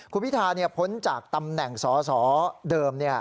คุณพิธาพ้นจากตำแหน่งสอสอเดิม